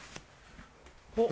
おっ！